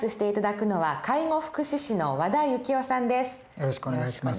よろしくお願いします。